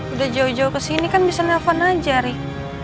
udah jauh jauh ke sini kan bisa nelfon aja nih